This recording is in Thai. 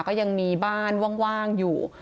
ก็ยังมีบ้านว่างอยู่